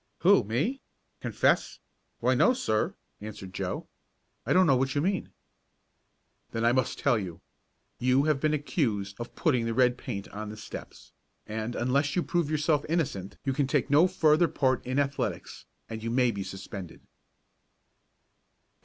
"Who, me? Confess? Why, no, sir," answered Joe. "I don't know what you mean." "Then I must tell you. You have been accused of putting the red paint on the steps, and, unless you prove yourself innocent you can take no further part in athletics, and you may be suspended."